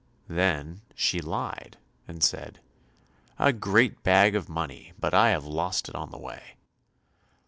Then she lied and said, "A great bag of money, but I have lost it on the way."